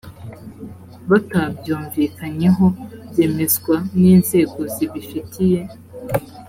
batabyumvikanyeho byemezwa n’inzego zibifitiye